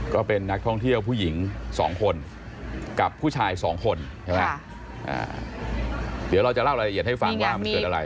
ก็เป็นนักท่องเที่ยวผู้หญิงสองคนกับผู้ชายสองคนใช่ไหมเดี๋ยวเราจะเล่ารายละเอียดให้ฟังว่ามันเกิดอะไร